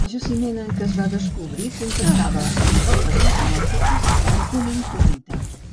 Al jaciment en què es va descobrir contactava amb roques metamòrfiques amb cummingtonita.